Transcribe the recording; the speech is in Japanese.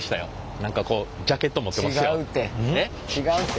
何かこうジャケット持ってますよ。